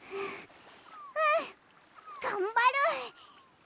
うんがんばる！